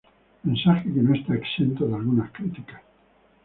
Mensaje que no está exento de algunas críticas.